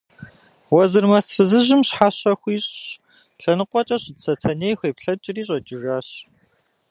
Уэзырмэс фызыжьым щхьэщэ хуищӀщ, лъэныкъуэкӀэ щыт Сэтэней хуеплъэкӀри, щӀэкӀыжащ.